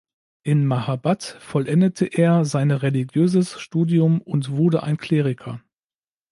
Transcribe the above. In Mahabad vollendete er seine religiöses Studium und wurde ein Kleriker.